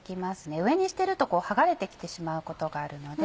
上にしてると剥がれて来てしまうことがあるので。